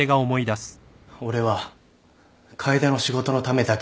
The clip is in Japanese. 俺は楓の仕事のためだけにいるの？